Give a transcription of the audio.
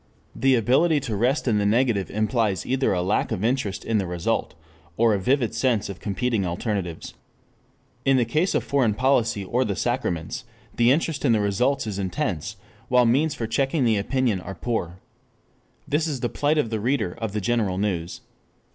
The ability to rest in the negative implies either a lack of interest in the result, or a vivid sense of competing alternatives. In the case of foreign policy or the sacraments, the interest in the results is intense, while means for checking the opinion are poor. This is the plight of the reader of the general news.